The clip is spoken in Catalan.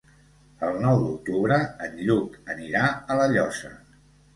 El nou d'octubre en Lluc anirà a La Llosa.